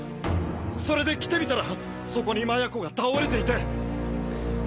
それで来てみたらそこに麻也子が倒れていて。